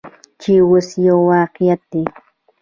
چې اوس یو واقعیت دی.